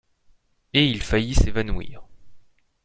Et il faillit s’évanouir.